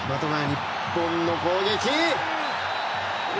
日本の攻撃。